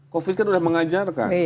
covid kan udah mengajarkan